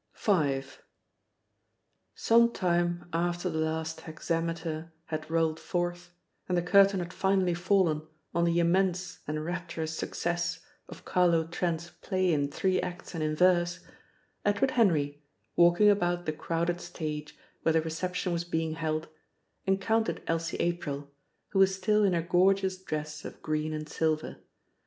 V. Some time after the last hexameter had rolled forth, and the curtain had finally fallen on the immense and rapturous success of Carlo Trent's play in three acts and in verse, Edward Henry, walking about the crowded stage where the reception was being held, encountered Elsie April, who was still in her gorgeous dress of green and silver.